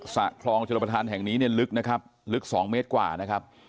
ระคลองชลประธานแห่งนี้เนี่ยลึกนะครับลึก๒เมตรกว่านะครับ